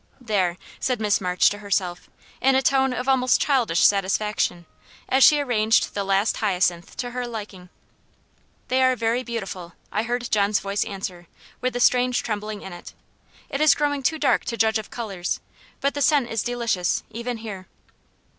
"There," said Miss March to herself, in a tone of almost childish satisfaction, as she arranged the last hyacinth to her liking. "They are very beautiful," I heard John's voice answer, with a strange trembling in it. "It is growing too dark to judge of colours; but the scent is delicious, even here."